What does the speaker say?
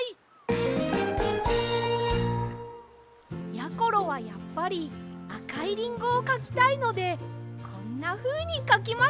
やころはやっぱりあかいリンゴをかきたいのでこんなふうにかきました！